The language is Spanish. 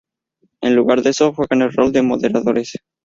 En lugar de eso, juegan el rol de moderadores.